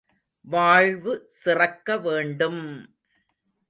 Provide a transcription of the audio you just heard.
வாழ்வு சிறக்க வேண்டும்!